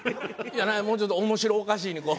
なんかもうちょっと面白おかしいにこう。